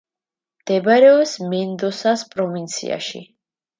მდებარეობს მენდოსას პროვინციაში.